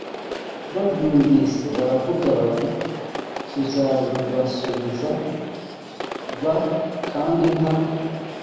babyumvise baravuga bati tuzabibasubiza b kandi nta